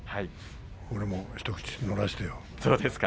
俺も一口乗らせてよ。